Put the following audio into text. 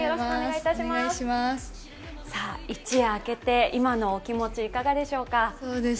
一夜明けて、今のお気持ちいかがでしょうか？